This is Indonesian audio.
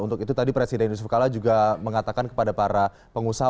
untuk itu tadi presiden yusuf kalla juga mengatakan kepada para pengusaha